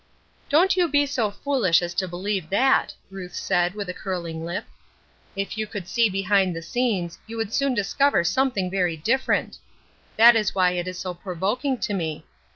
"Don't you be so foolish as to believe that," Ruth said, with a curling lip. "If you could see behind the scenes you would soon discover something very different. That is why it is so provoking to me.